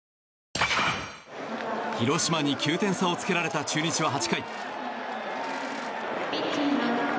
広島に９点差をつけられた中日は８回。